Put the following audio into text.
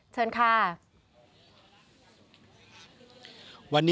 เชิญค่ะ